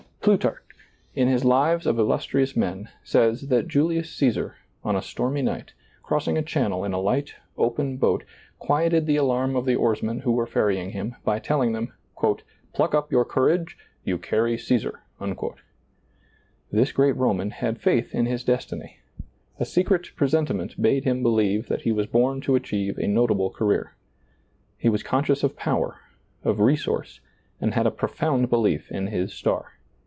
Plutarch, in his Lives of illustrious men, says that Julius Caesar, on a stormy night, cross ing a channel in a light, open boat, quieted the alarm of the oarsmen who were ferrying him by telhng them, " Pluck up your courage ; you carry Caesar." This great Roman had faith in his des tiny. A secret presentiment bade him believe that he was born to achieve a notable career. He was conscious of power, of resource, and had a pro found belief in his star.